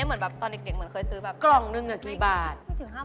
อันคือตอนสินสัยเคยซื้อกลองหนึ่งกี่บาท